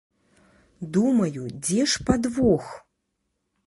Думаю, дзе ж падвох?